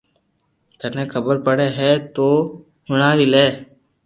ٿني خبر پڙي ھي تو ھڻَو وي لي